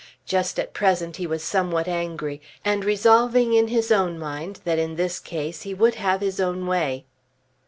Just at present he was somewhat angry, and resolving in his own mind that in this case he would have his own way.